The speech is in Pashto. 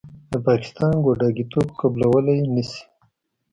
د پاکستان ګوډاګیتوب قبلولې نشي.